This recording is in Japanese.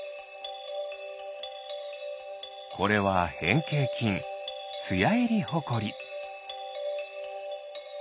これはへんけいきんツヤエリホコリ。